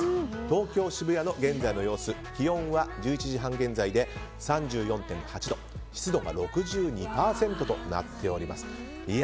東京・渋谷の現在の様子、気温は１１時半現在で３４．８度湿度が６２％となっております。